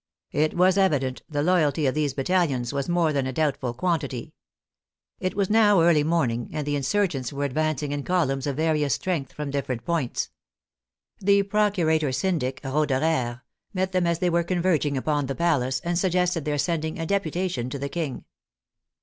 It was evident the loyalty of these battalions was more than a doubtful quantity. It was now early morning, and the insurgents were advancing in columns of various strength from different points. The Procura tor Syndic, Roederer, met them as they were converging upon the palace, and suggested their sending a deputa tion to the King.